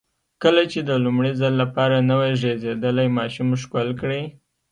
کله چې د لومړي ځل لپاره نوی زېږېدلی ماشوم ښکل کړئ.